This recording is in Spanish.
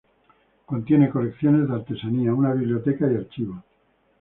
Contiene colecciones de artesanía, una biblioteca y archivos.